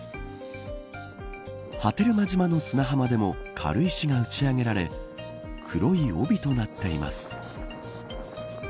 波照間島の砂浜でも軽石が打ち上げられ黒い帯となっています。